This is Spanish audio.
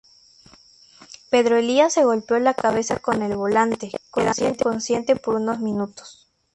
Pedro Elías se golpeó la cabeza con el volante quedando inconsciente por unos minutos.